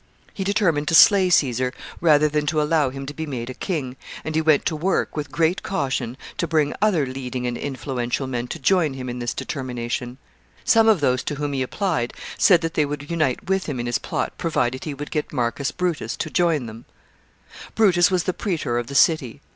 He determined to slay Caesar rather than to allow him to be made a king, and he went to work, with great caution, to bring other leading and influential men to join him in this determination. Some of those to whom he applied said that they would unite with him in his plot provided he would get Marcus Brutus to join them. [Sidenote: Marcus Brutus.] Brutus was the praetor of the city.